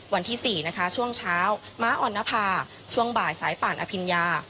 วันที่๔นะคะช่วงเช้าม้าอ่อนนภาช่วงบ่ายสายป่านอภิญญา